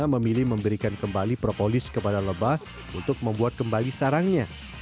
memilih memberikan kembali propolis kepada lebah untuk membuat kembali sarangnya